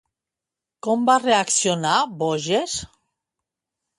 Com va reaccionar Boges?